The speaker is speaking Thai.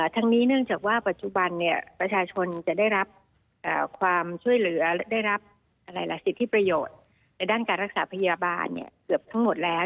ทั้งนี้เนื่องจากว่าปัจจุบันประชาชนจะได้รับความช่วยเหลือได้รับสิทธิประโยชน์ในด้านการรักษาพยาบาลเกือบทั้งหมดแล้ว